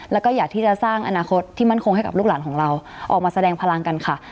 แล้วก็อยากที่จะสร้างอนาคตที่มั่นคงให้กับลูกหลานของเราออกมาแสดงพลังกันค่ะ